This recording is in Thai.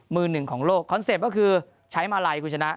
มือหนึ่งของโลกคอนเซ็ปต์ก็คือใช้มาลัยคุณชนะ